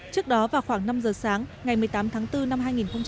trước đó vào khoảng năm giờ sáng ngày một mươi tám tháng bốn năm hai nghìn hai mươi